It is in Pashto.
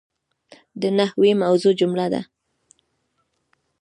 د نحوي موضوع جمله ده.